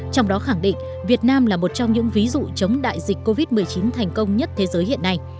trong đó khẳng định việt nam là một trong những ví dụ chống đại dịch covid một mươi chín thành công nhất thế giới hiện nay